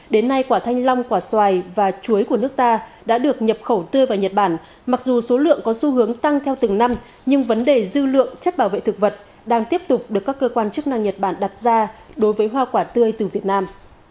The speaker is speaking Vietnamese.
đến nay quả thanh long quả xoài và chuối của nước ta đã được nhập khẩu tươi vào nhật bản mặc dù số lượng có xu hướng tăng theo từng năm nhưng vấn đề dư lượng chất bảo vệ thực vật đang tiếp tục được các cơ quan chức năng nhật bản đặt ra đối với hoa quả tươi từ việt nam